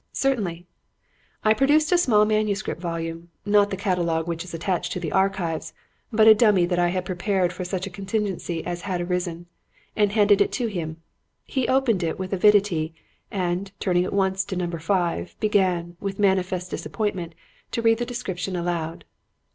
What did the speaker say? "'Certainly.' I produced a small manuscript volume not the catalogue which is attached to the 'Archives,' but a dummy that I had prepared for such a contingency as had arisen and handed it to him. He opened it with avidity, and, turning at once to Number Five, began, with manifest disappointment, to read the description aloud.